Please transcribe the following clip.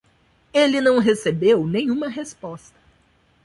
Ele não recebeu nenhuma resposta.